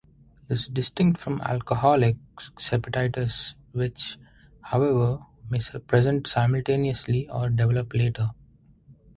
This is distinct from alcoholic hepatitis which, however, may present simultaneously or develop later.